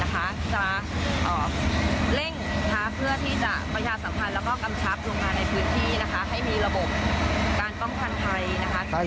ห้องสี